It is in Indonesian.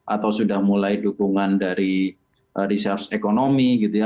atau sudah mulai dukungan dari research ekonomi gitu ya